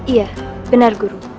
iya benar guru